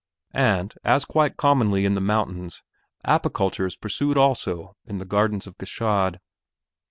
And, as quite commonly in the mountains, apiculture is pursued also in the gardens of Gschaid.